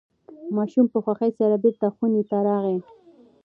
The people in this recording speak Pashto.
ماشوم په خوښۍ سره بیرته خونې ته راغی.